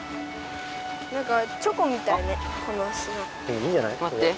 いいんじゃないここで。